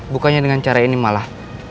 bukannya dengan cara ini malah